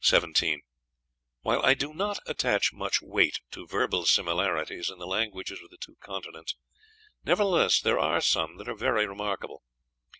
17. While I do not attach much weight to verbal similarities in the languages of the two continents, nevertheless there are some that are very remarkable.